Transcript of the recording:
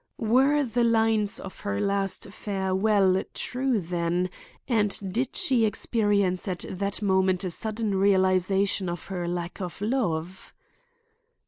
Were the lines of her last farewell true then, and did she experience at that moment a sudden realization of her lack of love?